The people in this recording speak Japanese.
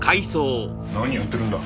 なにやってるんだ？